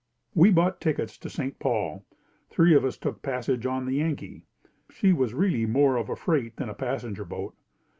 We bought tickets to St. Paul. Three of us took passage on the Yankee. She was really more of a freight than a passenger boat.